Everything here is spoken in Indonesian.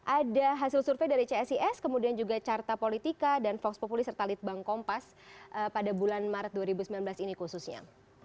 ada hasil survei dari csis kemudian juga carta politika dan fox populis serta litbang kompas pada bulan maret dua ribu sembilan belas ini khususnya